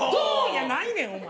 やないねんお前！